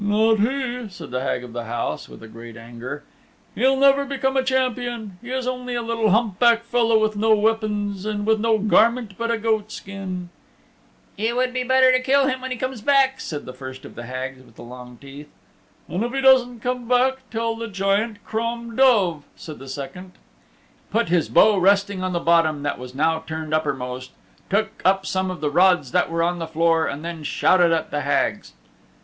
"Not he," said the Hag of the House, with great anger. "He'll never become a Champion. He's only a little hump backed fellow with no weapons and with no garment but a goatskin." "It would be better to kill him when he comes back," said the first of the Hags with the Long Teeth. "And if he doesn't come back, tell the Giant Crom Duv," said the second. Gilly of the Goatskin crept from under the cradle, put his bow resting on the bottom that was now turned uppermost, took up some of the rods that were on the floor and then shouted at the Hags.